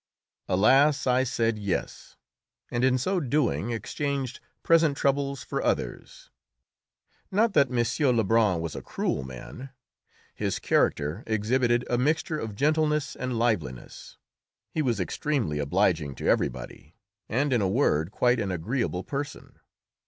Alas! I said yes, and in so doing exchanged present troubles for others. Not that M. Lebrun was a cruel man: his character exhibited a mixture of gentleness and liveliness; he was extremely obliging to everybody, and, in a word, quite an agreeable person.